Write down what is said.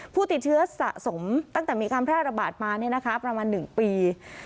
ผู้ติดเชื้อสะสมตั้งแต่มีการแพร่ระบาดมาประมาณ๑ปี